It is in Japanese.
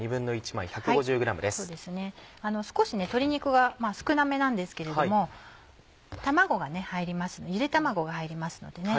少し鶏肉が少なめなんですけれども卵が入りますゆで卵が入りますのでね。